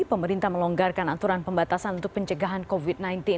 pemerintah melonggarkan aturan pembatasan untuk pencegahan covid sembilan belas